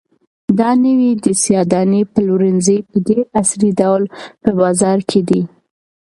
دا نوی د سیاه دانې پلورنځی په ډېر عصري ډول په بازار کې دی.